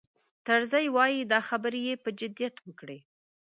طرزي وایي دا خبرې یې په جدیت وکړې.